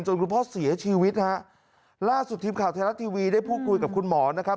คุณพ่อเสียชีวิตฮะล่าสุดทีมข่าวไทยรัฐทีวีได้พูดคุยกับคุณหมอนะครับ